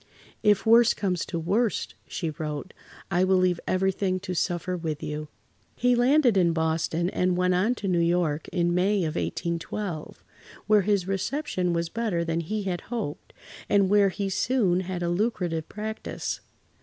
"If worse comes to worst," she wrote, "I will leave everything to suffer with you." He landed in Boston and went on to New York in May of 1812, where his reception was better than he had hoped, and where he soon had a lucrative practice.